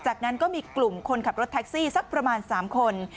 จากนั้นก็มีกลุ่มคนขับรถแท็กซี่สักประมาณ๓คน